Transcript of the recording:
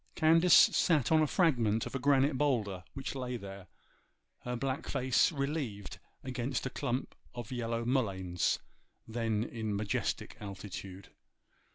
Candace sat on a fragment of a granite boulder which lay there, her black face relieved against a clump of yellow mulleins, then in majestic altitude.